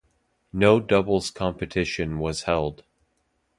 No doubles competition was held.